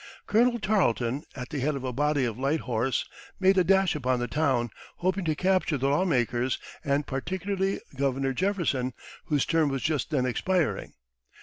Colonel Tarleton, at the head of a body of light horse, made a dash upon the town, hoping to capture the law makers, and particularly Governor Jefferson, whose term was just then expiring.